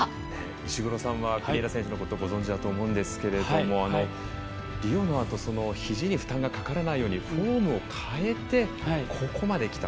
石黒さんは国枝選手のことご存じだと思うんですけれども、リオのあとひじに負担がかからないようにフォームを変えて、ここまできた。